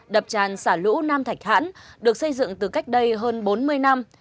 đập tràn xả lũ nam thạch hãn được xây dựng từ cách đây hơn bốn mươi năm